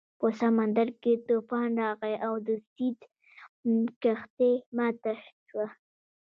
په سمندر کې طوفان راغی او د سید کښتۍ ماته شوه.